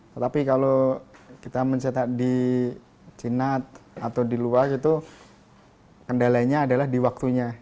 tetapi kalau kita mencetak di cina atau di luar itu kendalanya adalah di waktunya